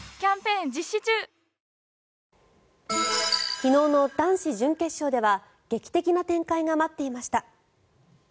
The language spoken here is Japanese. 昨日の男子準決勝では劇的な展開が待っていました。